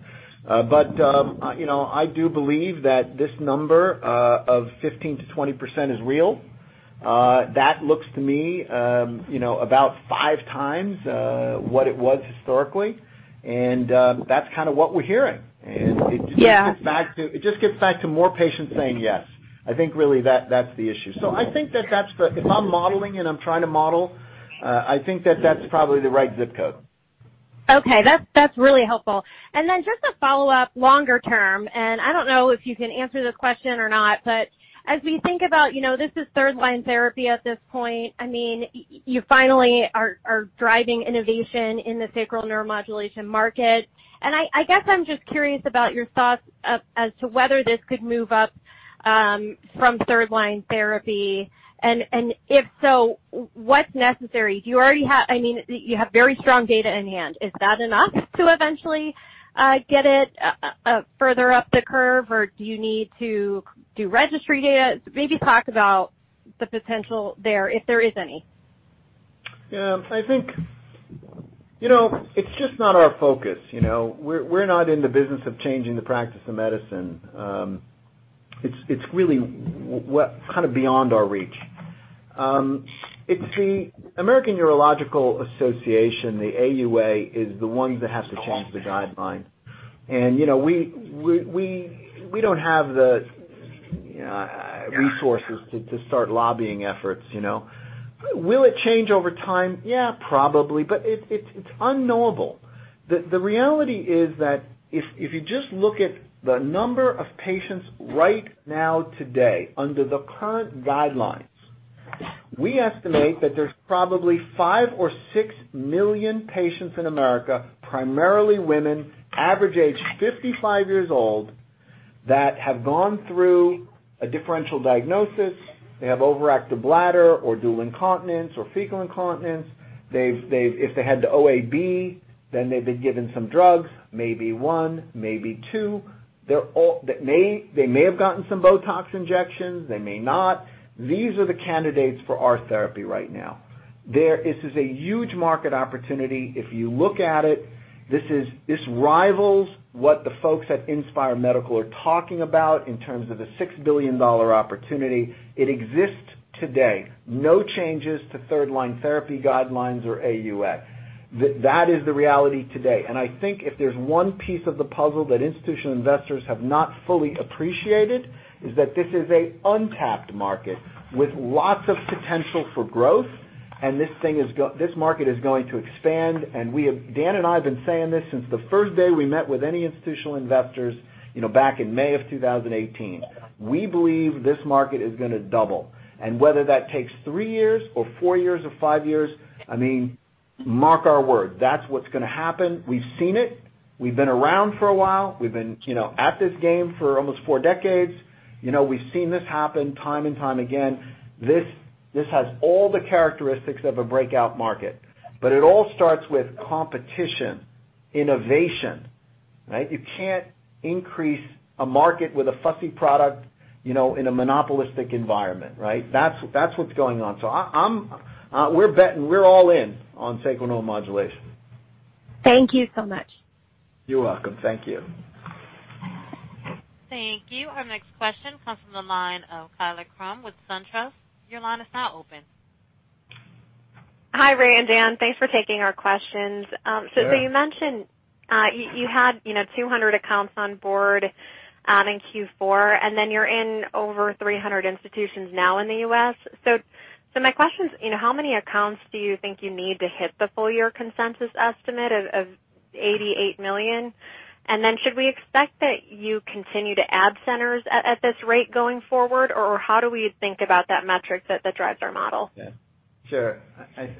I do believe that this number, of 15%-20% is real. That looks to me about five times what it was historically. That's what we're hearing. Yeah. It just gets back to more patients saying yes. I think really that's the issue. I think that if I'm modeling and I'm trying to model, I think that that's probably the right zip code. Okay. That's really helpful. Just a follow-up longer term, I don't know if you can answer this question or not, as we think about this is third-line therapy at this point, you finally are driving innovation in the sacral neuromodulation market. I guess I'm just curious about your thoughts as to whether this could move up from third-line therapy. If so, what's necessary? You have very strong data in hand. Is that enough to eventually get it further up the curve or do you need to do registry data? Maybe talk about the potential there, if there is any. I think, it's just not our focus. We're not in the business of changing the practice of medicine. It's really beyond our reach. It's the American Urological Association, the AUA, is the ones that have to change the guideline. We don't have the resources to start lobbying efforts. Will it change over time? Probably, but it's unknowable. The reality is that if you just look at the number of patients right now today, under the current guidelines, we estimate that there's probably five or six million patients in America, primarily women, average age 55 years old, that have gone through a differential diagnosis. They have overactive bladder or dual incontinence or fecal incontinence. If they had the OAB, they've been given some drugs, maybe one, maybe two. They may have gotten some Botox injections, they may not. These are the candidates for our therapy right now. This is a huge market opportunity. If you look at it, this rivals what the folks at Inspire Medical are talking about in terms of the $6 billion opportunity. It exists today. No changes to third-line therapy guidelines or AUA. That is the reality today. I think if there's one piece of the puzzle that institutional investors have not fully appreciated is that this is an untapped market with lots of potential for growth, and this market is going to expand. Dan and I have been saying this since the first day we met with any institutional investors back in May of 2018. We believe this market is going to double, and whether that takes three years or four years or five years, mark our word, that's what's going to happen. We've seen it. We've been around for a while. We've been at this game for almost four decades. We've seen this happen time and time again. This has all the characteristics of a breakout market. It all starts with competition, innovation, right? You can't increase a market with a fussy product in a monopolistic environment, right? That's what's going on. We're betting, we're all in on sacral neuromodulation. Thank you so much. You're welcome. Thank you. Thank you. Our next question comes from the line of Kaila Krum with SunTrust. Your line is now open. Hi, Ray and Dan. Thanks for taking our questions. Sure. You mentioned you had 200 accounts on board in Q4, and then you're in over 300 institutions now in the U.S. My question is, how many accounts do you think you need to hit the full year consensus estimate of $88 million? Should we expect that you continue to add centers at this rate going forward? How do we think about that metric that drives our model? Yeah. Sure.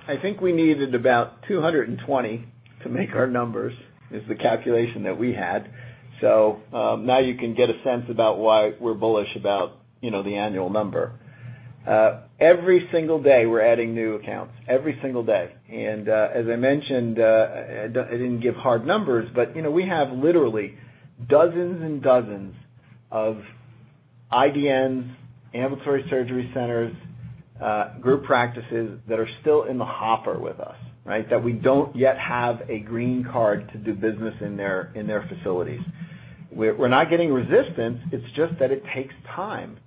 I think we needed about 220 to make our numbers, is the calculation that we had. Now you can get a sense about why we're bullish about the annual number. Every single day, we're adding new accounts. Every single day. As I mentioned, I didn't give hard numbers, but we have literally dozens and dozens of IDNs, ambulatory surgery centers, group practices that are still in the hopper with us. We don't yet have a green card to do business in their facilities. We're not getting resistance. It's just that it takes time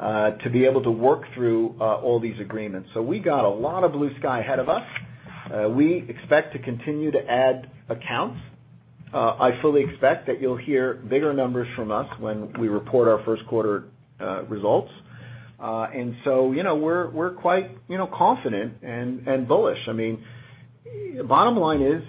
to be able to work through all these agreements. We got a lot of blue sky ahead of us. We expect to continue to add accounts. I fully expect that you'll hear bigger numbers from us when we report our first quarter results. We're quite confident and bullish. Bottom line is,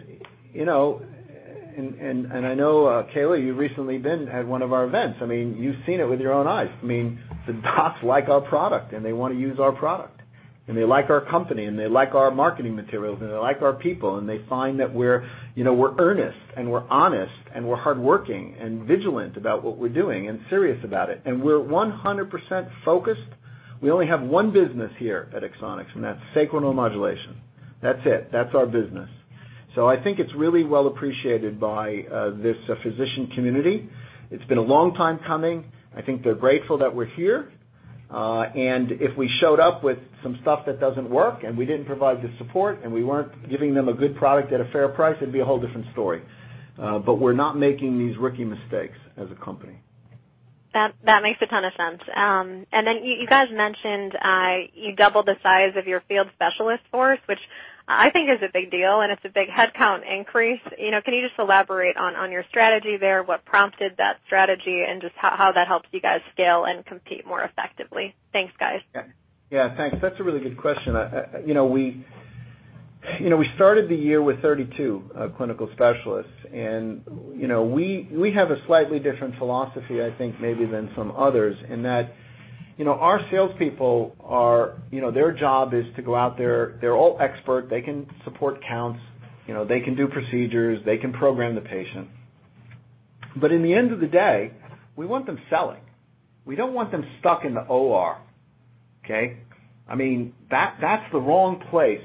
I know, Kaila, you've recently been at one of our events. You've seen it with your own eyes. The docs like our product, and they want to use our product, and they like our company, and they like our marketing materials, and they like our people, and they find that we're earnest, and we're honest, and we're hardworking and vigilant about what we're doing and serious about it. We're 100% focused. We only have one business here at Axonics, and that's sacral neuromodulation. That's it. That's our business. I think it's really well appreciated by this physician community. It's been a long time coming. I think they're grateful that we're here. If we showed up with some stuff that doesn't work and we didn't provide the support and we weren't giving them a good product at a fair price, it'd be a whole different story. We're not making these rookie mistakes as a company. That makes a ton of sense. You guys mentioned you doubled the size of your field specialist force, which I think is a big deal, and it's a big headcount increase. Can you just elaborate on your strategy there, what prompted that strategy, and just how that helps you guys scale and compete more effectively? Thanks, guys. Yeah. Thanks. That's a really good question. We started the year with 32 clinical specialists, and we have a slightly different philosophy, I think, maybe than some others in that our salespeople, their job is to go out there. They're all expert. They can support counts. They can do procedures. They can program the patient. In the end of the day, we want them selling. We don't want them stuck in the OR. Okay? That's the wrong place.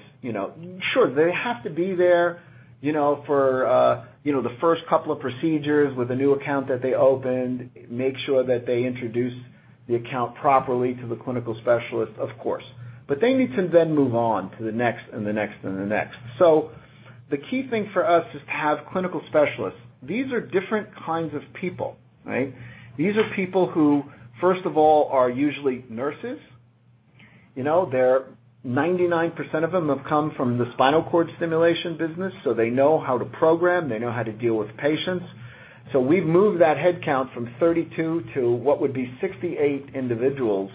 Sure, they have to be there for the first couple of procedures with a new account that they opened, make sure that they introduce the account properly to the clinical specialist, of course. They need to then move on to the next and the next. The key thing for us is to have clinical specialists. These are different kinds of people, right? These are people who, first of all, are usually nurses. 99% of them have come from the spinal cord stimulation business, they know how to program. They know how to deal with patients. We've moved that headcount from 32 to what would be 68 individuals,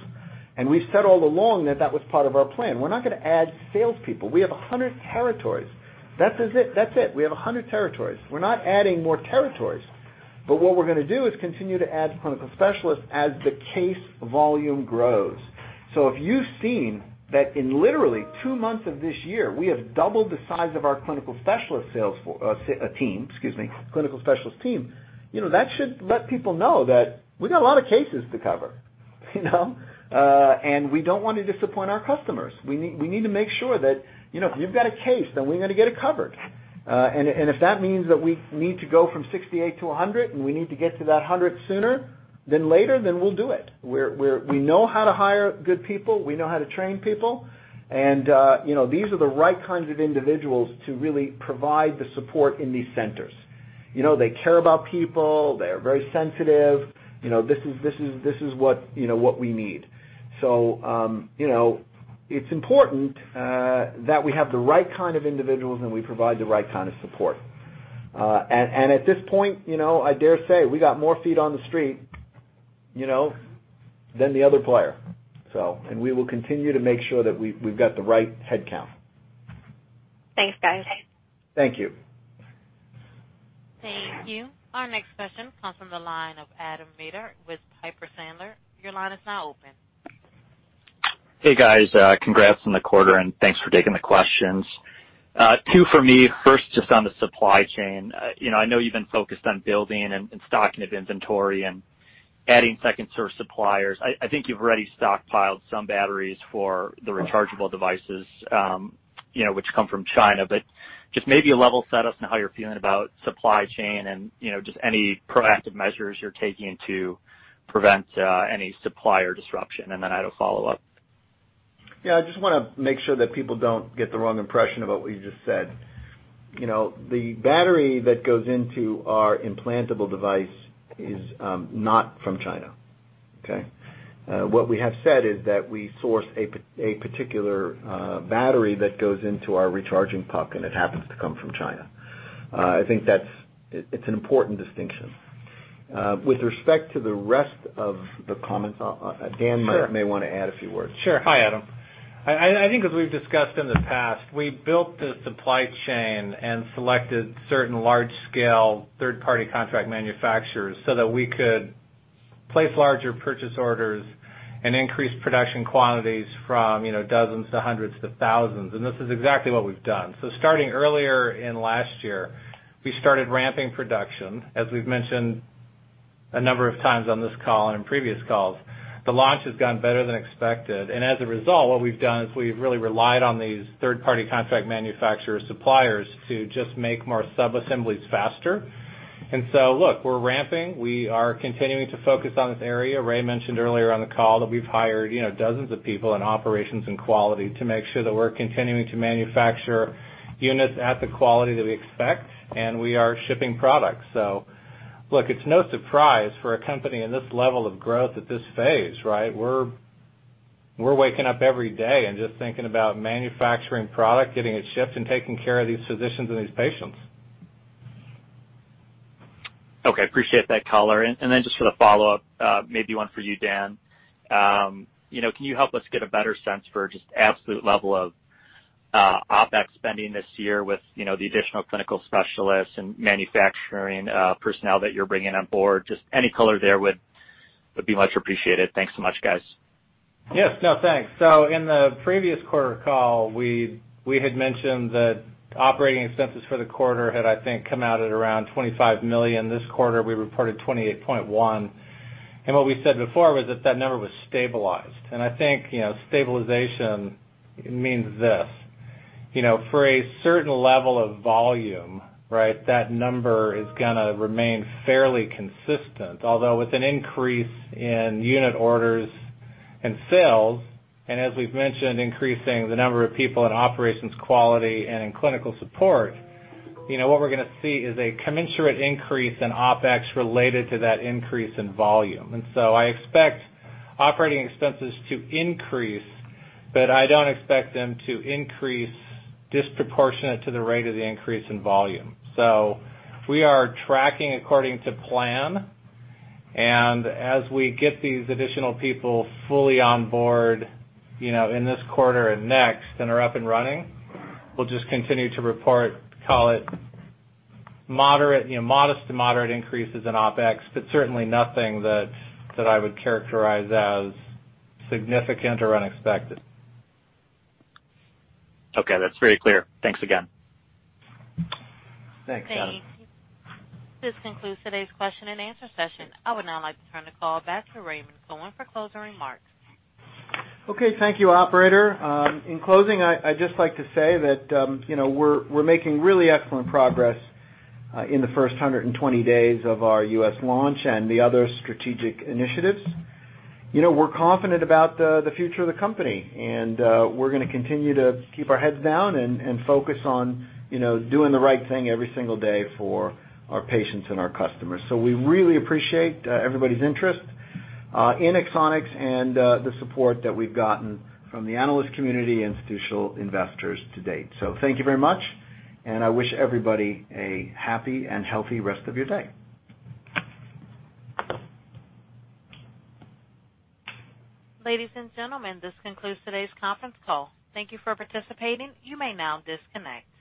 and we've said all along that that was part of our plan. We're not going to add salespeople. We have 100 territories. That's it. We have 100 territories. We're not adding more territories. What we're going to do is continue to add clinical specialists as the case volume grows. If you've seen that in literally two months of this year, we have doubled the size of our clinical specialist team, that should let people know that we've got a lot of cases to cover. We don't want to disappoint our customers. We need to make sure that if you've got a case, then we're going to get it covered. If that means that we need to go from 68 to 100, and we need to get to that 100 sooner than later, we'll do it. We know how to hire good people. We know how to train people. These are the right kinds of individuals to really provide the support in these centers. They care about people. They're very sensitive. This is what we need. It's important that we have the right kind of individuals, and we provide the right kind of support. At this point, I dare say we got more feet on the street than the other player. We will continue to make sure that we've got the right headcount. Thanks, guys. Thank you. Thank you. Our next question comes from the line of Adam Maeder with Piper Sandler. Your line is now open. Hey, guys. Congrats on the quarter, and thanks for taking the questions. Two for me. First, just on the supply chain. I know you've been focused on building and stocking up inventory and adding second-source suppliers. I think you've already stockpiled some batteries for the rechargeable devices which come from China. Just maybe a level set us on how you're feeling about supply chain and just any proactive measures you're taking to prevent any supplier disruption. Then I had a follow-up. Yeah, I just want to make sure that people don't get the wrong impression about what you just said. The battery that goes into our implantable device is not from China. Okay? What we have said is that we source a particular battery that goes into our recharging puck, and it happens to come from China. I think it's an important distinction. With respect to the rest of the comments, Dan might. Sure. May want to add a few words. Sure. Hi, Adam. I think as we've discussed in the past, we built the supply chain and selected certain large-scale third-party contract manufacturers so that we could place larger purchase orders and increase production quantities from dozens to hundreds to thousands, and this is exactly what we've done. Starting earlier in last year, we started ramping production. As we've mentioned a number of times on this call and in previous calls, the launch has gone better than expected. As a result, what we've done is we've really relied on these third-party contract manufacturer suppliers to just make more sub-assemblies faster. Look, we're ramping. We are continuing to focus on this area. Ray mentioned earlier on the call that we've hired dozens of people in operations and quality to make sure that we're continuing to manufacture units at the quality that we expect. We are shipping products. Look, it's no surprise for a company in this level of growth at this phase, right? We're waking up every day and just thinking about manufacturing product, getting it shipped, and taking care of these physicians and these patients. Okay. Appreciate that color. Just for the follow-up, maybe one for you, Dan. Can you help us get a better sense for just absolute level of OpEx spending this year with the additional clinical specialists and manufacturing personnel that you're bringing on board? Just any color there would be much appreciated. Thanks so much, guys. Yes. No, thanks. In the previous quarter call, we had mentioned that operating expenses for the quarter had, I think, come out at around $25 million. This quarter, we reported $28.1. What we said before was that that number was stabilized. I think, stabilization means this. For a certain level of volume, right? That number is going to remain fairly consistent, although with an increase in unit orders and sales, and as we've mentioned, increasing the number of people in operations quality and in clinical support, what we're going to see is a commensurate increase in OpEx related to that increase in volume. I expect operating expenses to increase, but I don't expect them to increase disproportionate to the rate of the increase in volume. We are tracking according to plan, and as we get these additional people fully on board in this quarter and next, and are up and running, we'll just continue to report, call it modest to moderate increases in OpEx, but certainly nothing that I would characterize as significant or unexpected. Okay. That's very clear. Thanks again. Thanks, Adam. This concludes today's question and answer session. I would now like to turn the call back to Raymond Cohen for closing remarks. Okay. Thank you, operator. In closing, I'd just like to say that we're making really excellent progress in the first 120 days of our U.S. launch and the other strategic initiatives. We're confident about the future of the company, and we're going to continue to keep our heads down and focus on doing the right thing every single day for our patients and our customers. We really appreciate everybody's interest in Axonics and the support that we've gotten from the analyst community, institutional investors to date. Thank you very much, and I wish everybody a happy and healthy rest of your day. Ladies and gentlemen, this concludes today's conference call. Thank you for participating. You may now disconnect.